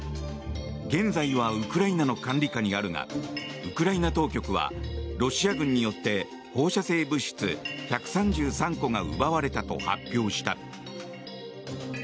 現在はウクライナの管理下にあるがウクライナ当局はロシア軍によって放射性物質１３３個が奪われたと発表した。